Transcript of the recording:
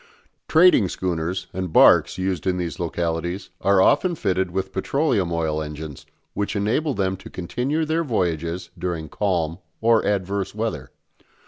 Trading schooners and barques used in these localities are often fitted with petroleum oil engines, which enable them to continue their voyages during calm or adverse weather.